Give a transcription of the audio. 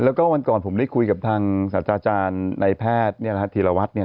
แล้วก็วันก่อนผมได้คุยกับทางสาธารณ์ในแพทย์นี่แหละธีรวัตน์เนี่ย